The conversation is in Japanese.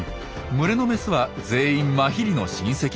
群れのメスは全員マヒリの親戚。